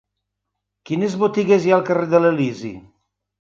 Quines botigues hi ha al carrer de l'Elisi?